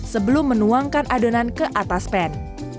sebelum menuangkan adonan ke atas pan